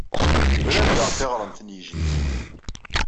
Bnan daɣ tiɣremt n yijdi.